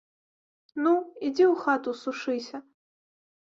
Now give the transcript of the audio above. Ну, ідзі ў хату сушыся.